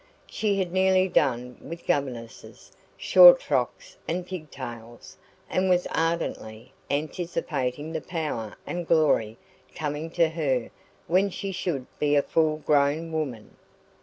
She had nearly done with governesses, short frocks and pigtails, and was ardently anticipating the power and glory coming to her when she should be a full grown woman.